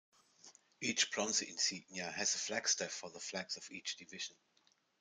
Each bronze insignia has a flagstaff for the flags of each division.